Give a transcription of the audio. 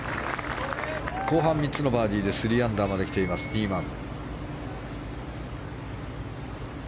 後半３つのバーディーで３アンダーまで来ていますニーマン。